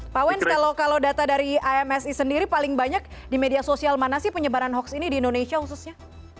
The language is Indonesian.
pak wens kalau data dari amsi sendiri paling banyak di media sosial mana sih penyebaran hoax ini di indonesia khususnya